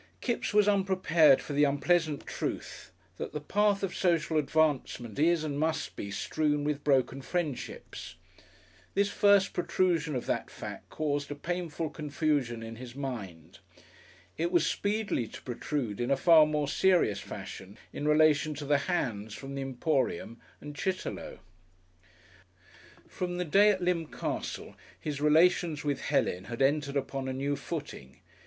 Kipps was unprepared for the unpleasant truth; that the path of social advancement is and must be strewn with broken friendships. This first protrusion of that fact caused a painful confusion in his mind. It was speedily to protrude in a far more serious fashion in relation to the "hands" from the Emporium, and Chitterlow. From the day at Lympne Castle his relations with Helen had entered upon a new footing.